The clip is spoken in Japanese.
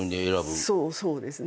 そうそうですね。